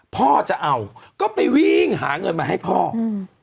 พ่อจะเอาก็ไปวิ่งหาเงินมาให้พ่ออืม